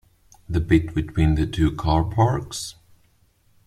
The bit between the two car parks?